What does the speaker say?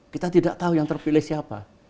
kita tidak tahu yang terpilih siapa